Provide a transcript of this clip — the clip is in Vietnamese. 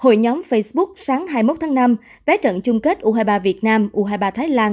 hội nhóm facebook sáng hai mươi một tháng năm vé trận chung kết u hai mươi ba việt nam u hai mươi ba thái lan